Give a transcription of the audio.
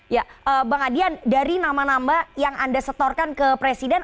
ya bang adian dari nama nama yang anda setorkan ke presiden